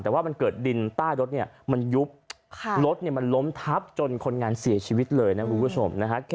แต่ว่ามันเกิดดินใต้รถมันยุบรถมันล้มทับจนคนงานเสียชีวิตเลยนะคุณผู้ชมนะฮะ